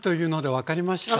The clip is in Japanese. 分かりました？